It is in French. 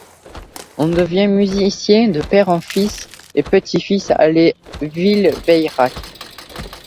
On devient musicien de Père en Fils et Petit-Fils à Villeveyrac.